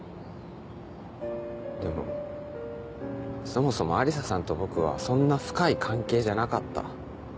でもそもそもアリサさんと僕はそんな深い関係じゃなかった。